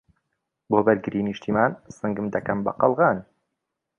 بۆ بەرگریی نیشتمان، سنگم دەکەم بە قەڵغان